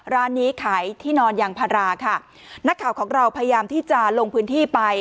ร้านนี้ขายที่นอนยางพาราค่ะนักข่าวของเราพยายามที่จะลงพื้นที่ไป